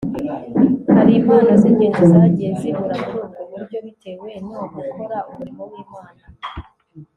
hari impano z'ingenzi zagiye zibura muri ubwo buryo bitewe no gukora umurimo w'imana